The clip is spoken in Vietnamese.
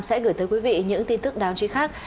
sẽ gửi thông tin về những chuyện xảy ra trong ngày này